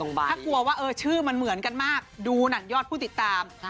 ถ้ากลัวว่าชื่อมันเหมือนกันมากดูหนังยอดผู้ติดตาม